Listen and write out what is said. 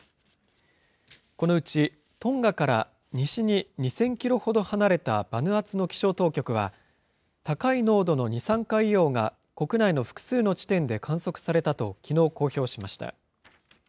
このうち、トンガから西に２０００キロほど離れたバヌアツの気象当局は、高い濃度の二酸化硫黄が国内の複数の地点で観測されたときのう公表しました。